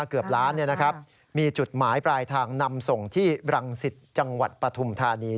เกือบล้านมีจุดหมายปลายทางนำส่งที่บรังสิตจังหวัดปฐุมธานี